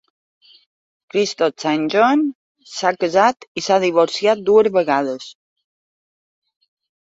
Kristoff Saint John s'ha casat i s'ha divorciat dues vegades.